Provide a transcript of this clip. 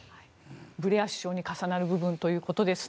ブレア首相に重なる部分ということです。